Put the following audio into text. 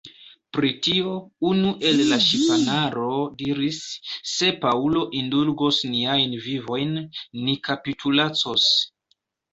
Pri tio, unu el la ŝipanaro diris, Se Paŭlo indulgos niajn vivojn, ni kapitulacos.